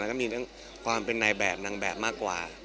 แล้วก็มีเรื่องความเป็นนายแบบนางแบบมากกว่า